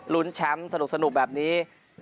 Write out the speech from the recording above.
รุ้นแชมป์สนุกแบบนี้